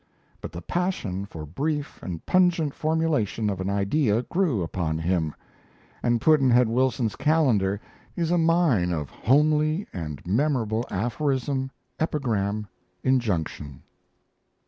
But the passion for brief and pungent formulation of an idea grew upon him; and Pudd'nhead Wilson's Calendar is a mine of homely and memorable aphorism, epigram, injunction.